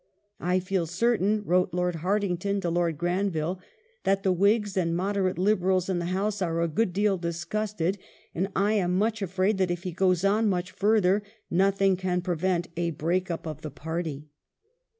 " I feel cer tain," wrote Lord Hartington to Lord Granville, " that the Whigs and moderate Liberals in the House are a good deal disgusted, and I am much afraid that if he goes on much further, nothing can prevent a break up of the party."